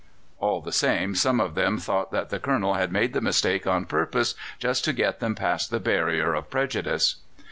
All the same, some of them thought that the Colonel had made the mistake on purpose, just to get them past the barrier of prejudice.